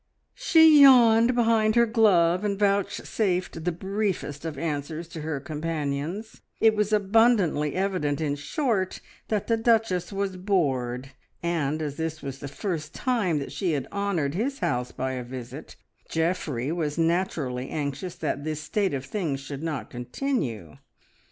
She yawned behind her glove, and vouchsafed the briefest of answers to her companions; it was abundantly evident, in short, that the Duchess was bored, and as this was the first time that she had honoured his house by a visit, Geoffrey was naturally anxious that this state of things should not continue.